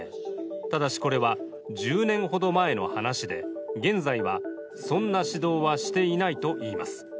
ただし、これは１０年ほど前の話で現在はそんな指導はしていないと言います。